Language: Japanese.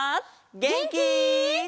げんき？